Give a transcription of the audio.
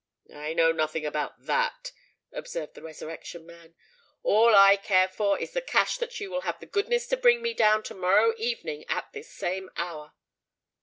"I know nothing about that," observed the Resurrection Man. "All I care for is the cash that you will have the goodness to bring me down to morrow evening at this same hour."